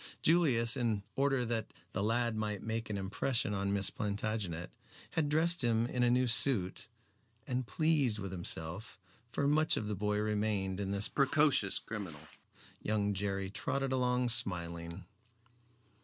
Julius, in order that the lad might make an impression on Miss Plantagenet, had dressed him in a new suit, and pleased with himself for much of the boy remained in this precocious criminal young Jerry trotted along smiling.